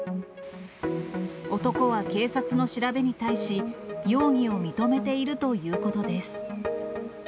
男は警察の調べに対し、容疑を認めているということです。